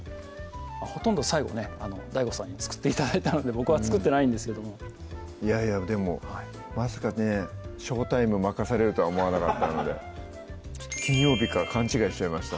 ほとんど最後ねＤＡＩＧＯさんに作って頂いたので僕は作ってないんですけどもいやいやでもまさかねショータイム任されるとは思わなかったので金曜日か勘違いしちゃいました